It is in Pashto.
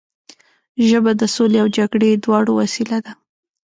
ژبه د سولې او جګړې دواړو وسیله ده